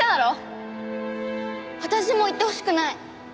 私も行ってほしくない。